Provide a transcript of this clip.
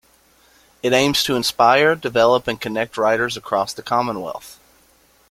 It aims to inspire, develop and connect writers across the Commonwealth.